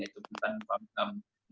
itu pembantuan panggilan